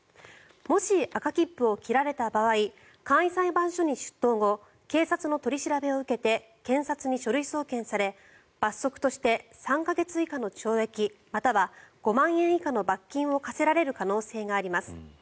もし、赤切符を切られた場合簡易裁判所に出頭後警察の取り調べを受けて検察に書類送検され罰則として３か月以下の懲役または５万円以下の罰金を科せられる可能性があります。